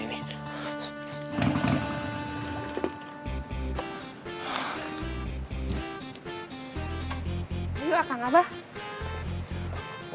ini tuh aku ngabah